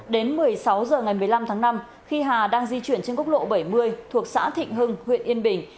đến một mươi sáu h ngày một mươi năm tháng năm khi hà đang di chuyển trên quốc lộ bảy mươi thuộc xã thịnh hưng huyện yên bình